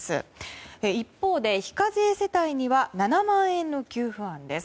一方で、非課税世帯には７万円の給付案です。